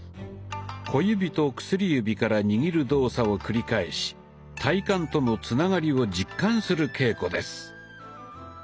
小指と薬指から握る動作を繰り返し体幹とのつながりを実感する稽古です。